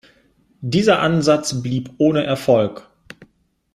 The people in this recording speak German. Dieser Ansatz blieb ohne Erfolg.